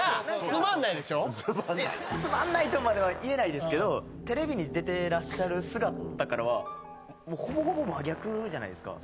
つまんないとまでは言えないですけどテレビに出てらっしゃる姿からはほぼほぼ真逆じゃないですか。